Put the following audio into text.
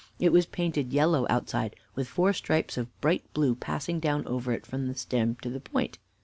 It was painted yellow outside, with four stripes of bright blue passing down over it from the stem to the point.